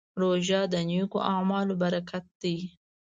روژه د نېکو اعمالو برکت دی.